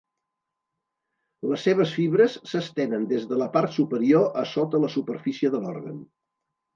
Les seves fibres s'estenen des de la part superior a sota la superfície de l'òrgan.